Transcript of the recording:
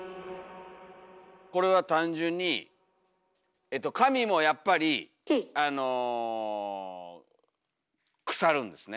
これは単純に紙もやっぱりあの腐るんですね。